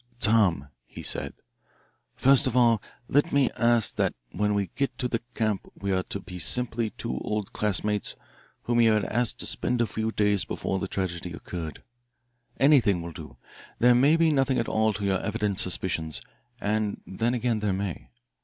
"Tom," he said, "first of all, let me ask that when we get to the camp we are to be simply two old classmates whom you had asked to spend a few days before the tragedy occurred. Anything will do. There may be nothing at all to your evident suspicions, and then again there may.